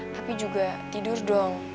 tapi juga tidur dong